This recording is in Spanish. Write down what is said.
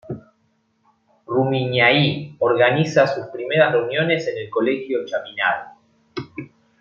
Rumiñahui, organiza sus primeras reuniones en el Colegio Chaminade.